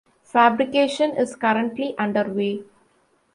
Fabrication is currently underway.